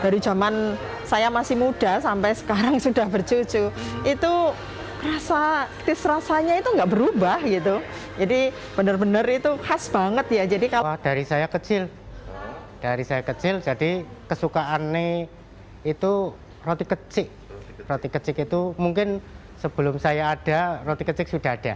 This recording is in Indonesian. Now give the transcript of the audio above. roti kecik itu mungkin sebelum saya ada roti kecik sudah ada